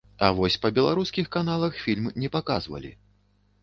А вось па беларускіх каналах фільм не паказвалі.